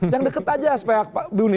jangan deket aja supaya berhenti